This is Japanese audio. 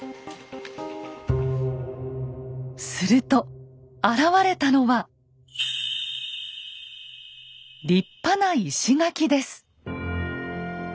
すると現れたのは立派な石垣です。